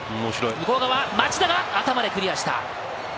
向こう側、町田が頭でクリアした。